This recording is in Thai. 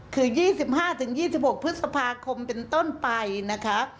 คือ๒๕๒๖พฤษภาคมเป็นต้นไปนะคะ